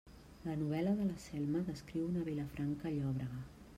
La novel·la de la Selma descriu una Vilafranca llòbrega.